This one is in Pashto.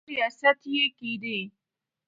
ښه ریاست یې کېدی.